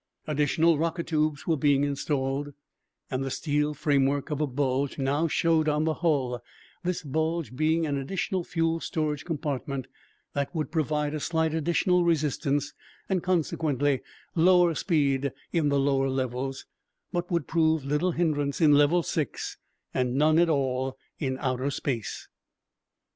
Additional rocket tubes were being installed, and the steel framework of a bulge now showed on the hull, this bulge being an additional fuel storage compartment that would provide a slight additional resistance and consequently lower speed in the lower levels, but would prove little hindrance in level six and none at all in outer space.